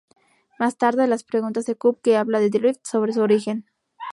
Más tarde, las preguntas de Kup que habla de Drift sobre su origen.